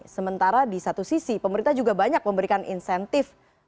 sementara di satu sisi pemerintah juga banyak memberikan insentif